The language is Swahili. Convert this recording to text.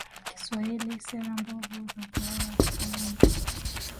Kiswahili Sera mbovu za Utawala wa Kikoloni